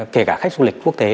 kể cả khách du lịch quốc tế